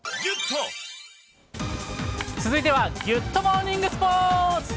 続いては、ギュッとモーニングスポーツ。